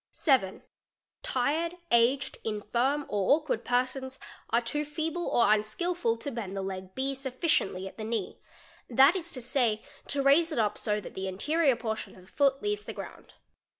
7. Tired, aged, infirm, or awkward persons are too feeble or unskil ful to bend the leg B sufficiently at the knee, that is to say, to raise it up so that the anterior portion of the foot leaves the ground.